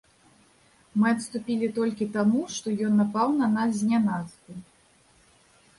Мы адступілі толькі таму, што ён напаў на нас знянацку.